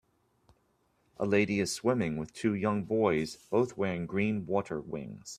A lady is swimming with two young boys both wearing green water wings.